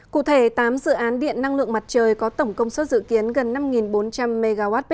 cụ thể tám dự án điện năng lượng mặt trời có tổng công suất dự kiến gần năm bốn trăm linh mwp